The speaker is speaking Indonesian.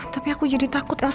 tapi aku jadi takut elsa